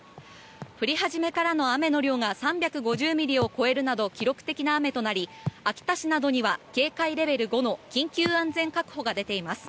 降り始めからの雨の量が３５０ミリを超えるなど記録的な雨となり秋田市などには警戒レベル５の緊急安全確保が出ています。